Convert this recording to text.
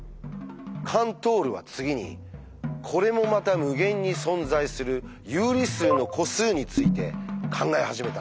カントールは次にこれもまた無限に存在する「有理数の個数」について考え始めたんです。